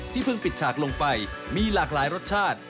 เพิ่งปิดฉากลงไปมีหลากหลายรสชาติ